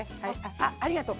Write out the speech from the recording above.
あありがとう。